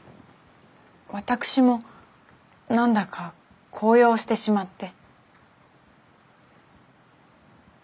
私も何だか高揚してしまって。